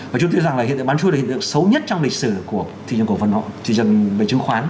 và chúng tôi nghĩ rằng là hiện tượng bán chui là hiện tượng xấu nhất trong lịch sử của thị trường cổ phân hộ thị trường về chứng khoán